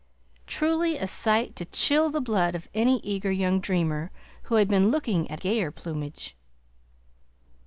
Truly a sight to chill the blood of any eager young dreamer who had been looking at gayer plumage!